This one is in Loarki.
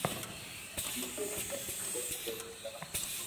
ٻيجو جيون ۾ ڪوئي ڪوئي ڪرو